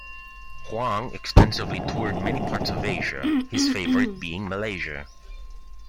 Huang extensively toured many parts of Asia, his favourite being Malaysia.